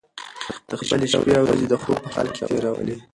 ده خپلې شپې او ورځې د خوب په حال کې تېرولې.